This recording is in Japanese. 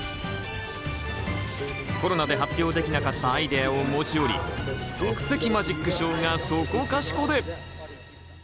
コロナで発表できなかったアイデアを持ち寄り即席マジックショーがそこかしこで！